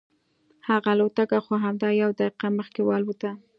هغه الوتکه خو همدا یوه دقیقه مخکې والوتله.